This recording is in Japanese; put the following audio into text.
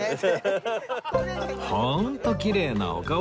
ホントきれいなお顔立ち